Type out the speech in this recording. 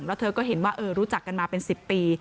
แล้วเธอก็เห็นว่ารู้จักกันมาเป็น๑๐ปี